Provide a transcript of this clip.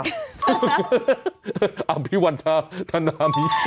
ตามพี่วรรณธานามมี่